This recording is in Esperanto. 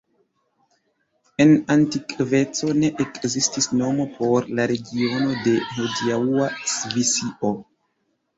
En antikveco ne ekzistis nomo por la regiono de hodiaŭa Svisio.